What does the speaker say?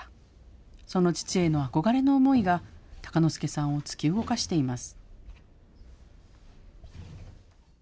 その父への憧れの思いが、鷹之資さんを突き動かしています。